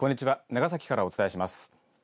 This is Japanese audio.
長崎からお伝えします。